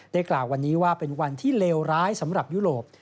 กล่าววันนี้ว่าเป็นวันที่เลวร้ายสำหรับยุโรป